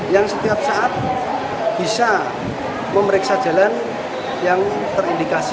yang setiap saat bisa memeriksa jalan yang terindikasi